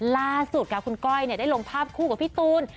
ล่าสุดค่ะคุณก้อยได้ลงภาพคู่กับพี่ตูน